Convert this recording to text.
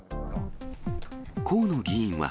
河野議員は。